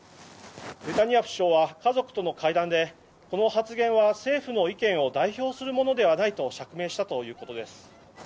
ネタニヤフ首相は家族との会談でこの発言は政府の意見を代表するものではないと釈明したということです。